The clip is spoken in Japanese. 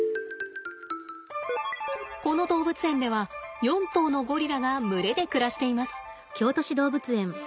この動物園では４頭のゴリラが群れで暮らしています。